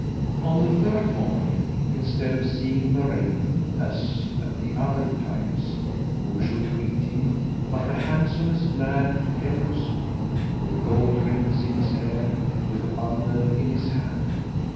On the third morning, instead of seeing the raven as at the other times, who should meet him but the handsomest lad he ever saw, with gold rings in his hair, with a bundle in his hand.